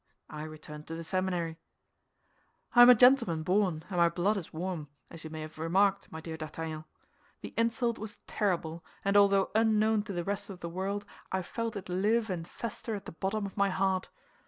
I returned to the seminary. "I am a gentleman born, and my blood is warm, as you may have remarked, my dear D'Artagnan. The insult was terrible, and although unknown to the rest of the world, I felt it live and fester at the bottom of my heart.